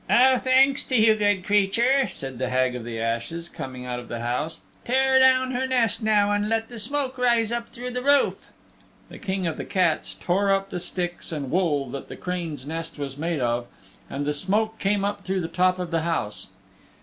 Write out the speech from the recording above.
"Oh, thanks to you, good creature," said the Hag of the Ashes, coming out of the house. "Tear down her nest now and let the smoke rise up through the roof." The King of the Cats tore up the sticks and wool that the crane's nest was made of, and the smoke came up through the top of the house.